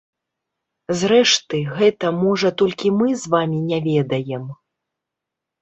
Зрэшты, гэта, можа, толькі мы з вамі не ведаем?